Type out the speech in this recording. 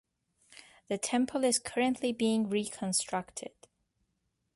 The temple is currently being reconstructed.